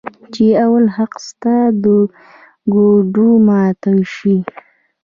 چې اول حق ستا د ګوډو ماتو شي.